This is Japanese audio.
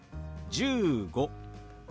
１５。